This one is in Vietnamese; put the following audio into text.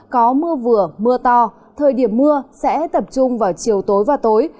có mưa vừa mưa to thời điểm mưa sẽ tập trung vào chiều tối và tối